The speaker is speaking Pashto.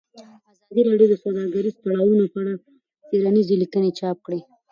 ازادي راډیو د سوداګریز تړونونه په اړه څېړنیزې لیکنې چاپ کړي.